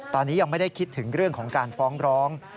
ตอนนี้ยังไม่ได้คิดถึงเรื่องของการฟ้องร้อง